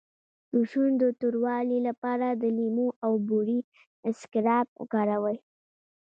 د شونډو د توروالي لپاره د لیمو او بورې اسکراب وکاروئ